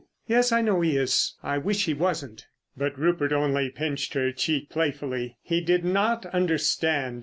"Yes, I know he is. I wish he wasn't." But Rupert only pinched her cheek playfully. He did not understand.